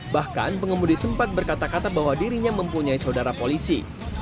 bahkan pengemudi sempat berkata kata bahwa dirinya mempunyai saudara polisi